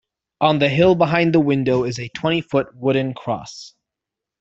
On the hill behind the window is a twenty-foot wooden cross.